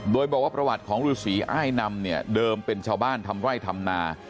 โดยบอกว่าประวัติของฤษีอ้ายนำเนี่ยเดิมเป็นชาวบ้านทำไร่ทำนา